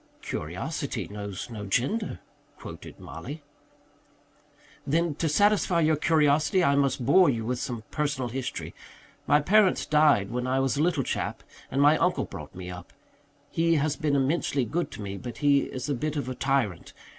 "'Curiosity knows no gender,'" quoted Mollie. "Then, to satisfy your curiosity, I must bore you with some personal history. My parents died when I was a little chap, and my uncle brought me up. He has been immensely good to me, but he is a bit of a tyrant.